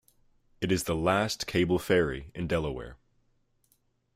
It is the last cable ferry in Delaware.